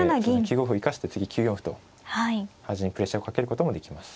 ９五歩を生かして次９四歩と端にプレッシャーをかけることもできます。